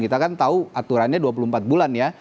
kita kan tahu aturannya dua puluh empat bulan ya